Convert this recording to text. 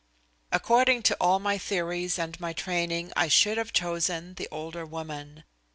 According to all my theories and my training I should have chosen the older woman.